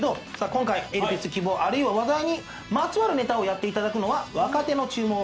今回『エルピス−希望、あるいは災い−』にまつわるネタをやっていただくのは若手のちゅうも。